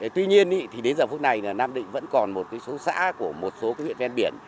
tuy nhiên đến giờ phút này nam định vẫn còn một số xã của một số huyện ven biển